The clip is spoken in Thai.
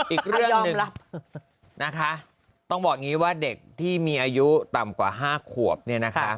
อีกเรื่องหนึ่งนะคะต้องบอกอย่างนี้ว่าเด็กที่มีอายุต่ำกว่า๕ขวบเนี่ยนะคะ